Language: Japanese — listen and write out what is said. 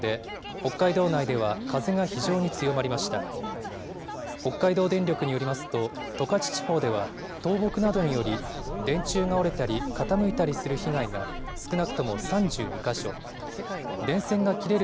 北海道電力によりますと、十勝地方では、倒木などにより、電柱が折れたり、傾いたりする被害が、少なくとも３２か所、電線が切れる